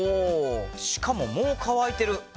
しかももう乾いてる。